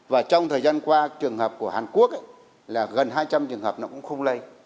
và trong thời gian qua trường hợp của hàn quốc là gần hai trăm linh trường hợp nó cũng không lây